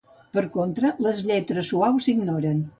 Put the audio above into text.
Per contra, les lletres suaus s'ignoren.